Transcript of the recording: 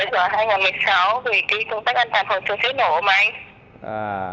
với phòng năm hai nghìn một mươi sáu về cái công tác an toàn vào chung chế nổ mà anh